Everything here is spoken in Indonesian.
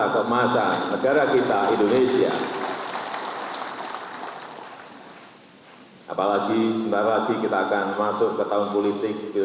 beserta ketua penyelenggara ketua steering committee